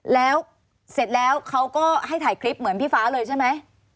แล้วเสร็จแล้วเขาก็ให้ถ่ายคลิปเหมือนพี่ฟ้าเลยใช่ไหม